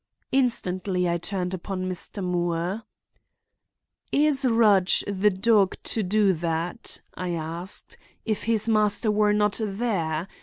Instantly I turned upon Mr. Moore. "Is Rudge the dog to do that," I asked, "if his master were not there?